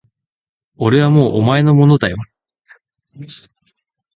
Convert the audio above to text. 俺はもうお前のものだよ